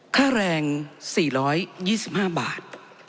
ค่าแรง๔๒๕บาท